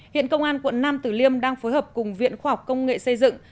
hiện công an quận nam tử liêm đang phối hợp cùng viện khoa học công nghệ xây dựng